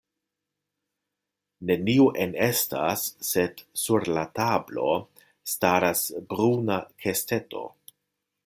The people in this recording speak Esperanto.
Neniu enestas, sed sur la tablo staras bruna kesteto.